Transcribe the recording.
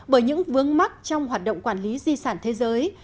bởi những vướng mắc trong hoạt động quản lý di sản thế giới